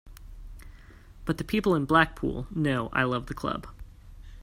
But the people in Blackpool know I love the club.